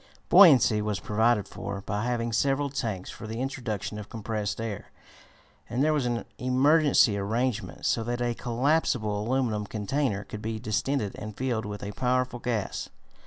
Buoyancy was provided for by having several tanks for the introduction of compressed air, and there was an emergency arrangement so that a collapsible aluminum container could be distended and filled with a powerful gas.